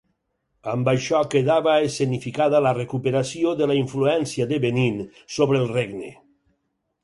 Amb això quedava escenificada la recuperació de la influència de Benín sobre el regne.